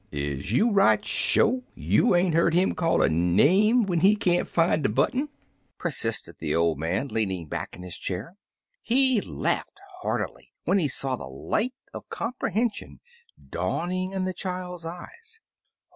''Is you right sho* you ain't hear 'im call a name when he can't fin' de button?" persisted the old man, leaning back in his chair. He laughed heartily when he saw the light of comprehension dawning in the child's eyes.